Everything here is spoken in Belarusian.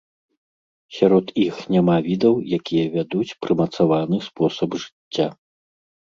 Сярод іх няма відаў, якія вядуць прымацаваны спосаб жыцця.